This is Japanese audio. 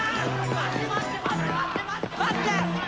待って待って待って待って待って待って！